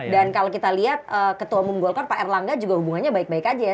dan kalau kita lihat ketua umum golkar pak erlangga juga hubungannya baik baik aja ya